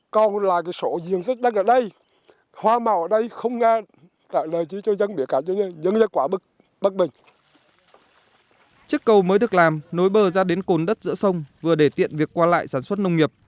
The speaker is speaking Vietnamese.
chiếc cầu mới được làm nối bờ ra đến cồn đất giữa sông vừa để tiện việc qua lại sản xuất nông nghiệp